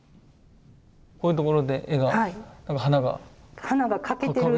こういうところで絵が花が欠けてる。